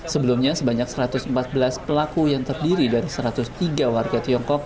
sebelumnya sebanyak satu ratus empat belas pelaku yang terdiri dari satu ratus tiga warga tiongkok